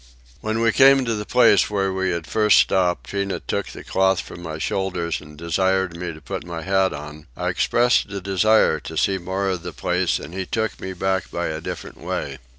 When we came to the place where we had first stopped Tinah took the cloth from my shoulders and desired me to put my hat on; I expressed a desire to see more of the place and he took me back by a different way.